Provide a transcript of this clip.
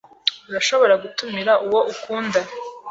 Urashobora gutumira uwo ukunda.